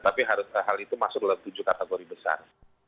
tapi hal itu masuk dalam tujuh kategori besar